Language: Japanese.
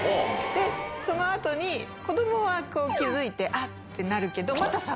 でその後に子供は気付いて「あ！」ってなるけど。